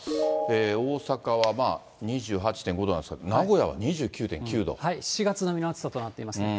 大阪は２８．５度なんですが、名７月並みの暑さとなっています。